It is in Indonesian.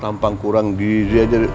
tampang kurang gizi aja